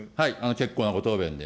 結構なご答弁で。